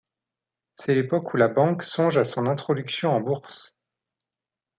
C'est l'époque où la banque songe à son introduction en bourse.